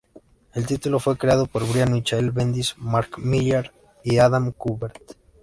El título fue creado por Brian Michael Bendis, Mark Millar y Adam Kubert.